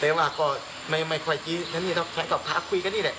แต่ว่าก็ไม่ค่อยจริงนั้นเราใช้กับพระพระคุยกันนี่แหละ